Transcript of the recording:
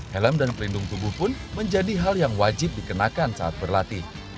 helm dan pelindung tubuh pun menjadi hal yang wajib dikenakan saat berlatih